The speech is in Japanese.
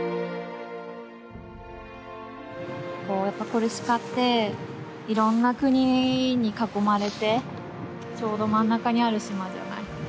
コルシカっていろんな国に囲まれてちょうど真ん中にある島じゃない。